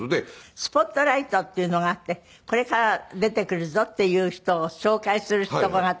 「スポットライト」っていうのがあってこれから出てくるぞっていう人を紹介するとこがあって。